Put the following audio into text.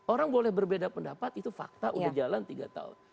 orang boleh berbeda pendapat itu fakta udah jalan tiga tahun